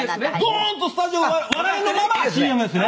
「ドーンとスタジオが笑いのままＣＭですね」